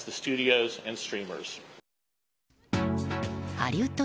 ハリウッド